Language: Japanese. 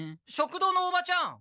食堂のおばちゃん！